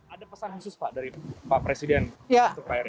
ada pesan khusus pak dari pak presiden untuk pak erick